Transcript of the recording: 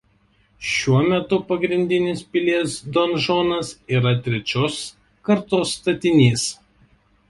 Šiuo metu pagrindinis pilies donžonas yra trečios kartos statinys.